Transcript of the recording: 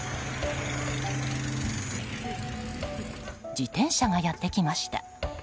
自転車がやってきました。